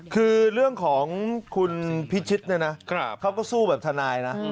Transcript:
คือเรื่องของคุณพิชิตเนี่ยนะเขาก็สู้แบบทนายนะ